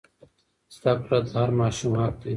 زده کړه د هر ماشوم حق دی.